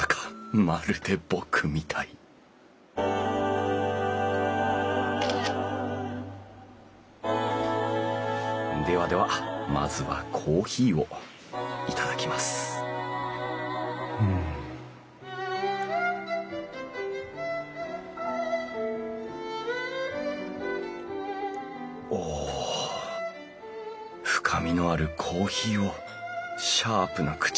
まるで僕みたいではではまずはコーヒーを頂きますうん。おお。深味のあるコーヒーをシャープな口当たりの磁器で頂く。